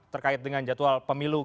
terkait dengan jadwal pemilu